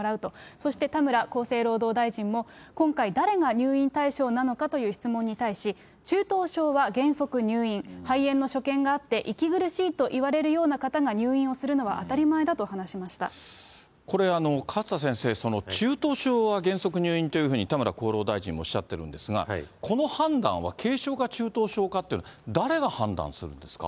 そして田村厚生労働大臣も、今回、誰が入院対象なのかという質問に対し、中等症は原則入院、肺炎の所見があって、息苦しいといわれるような方が入院をするのは当たり前だと話しまこれ、勝田先生、その中等症は原則入院というふうに、田村厚労大臣もおっしゃってるんですが、この判断は軽症か中等症かって、誰が判断するんですか。